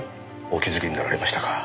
お気づきになられましたか。